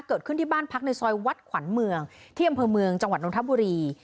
เกิดขึ้นที่บ้านพักในซอยวัดขวัญเมืองที่อำเภอเมืองจังหวัดนทบุรี